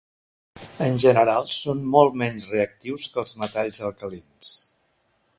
En general, són molt menys reactius que els metalls alcalins.